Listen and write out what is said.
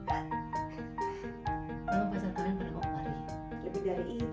kamu bikin alis maman seperti wayang englem